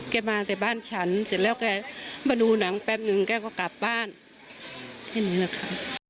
มาแต่บ้านฉันเสร็จแล้วแกมาดูหนังแป๊บนึงแกก็กลับบ้านแค่นี้แหละค่ะ